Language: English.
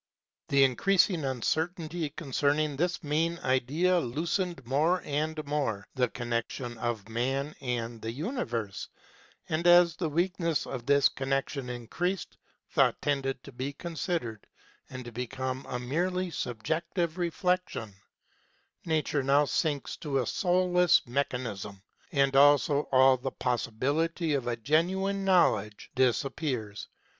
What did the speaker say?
The increasing uncertainty concerning this main idea loosened more and more the connection of man and the universe, and as the weakness of this connection increased, Thought tended to be considered and to become a merely subjective reflection ; Nature now sinks to a soulless mechanism, and also all the possi bility of genuine Knowledge disappears.